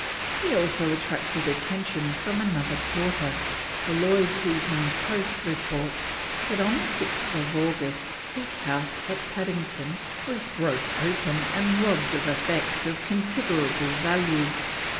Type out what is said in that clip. He also attracted attention from another quarter, for Lloyd's Evening Post reports that on 6th August, his house at Paddington "was broke open and robbed of effects of considerable value."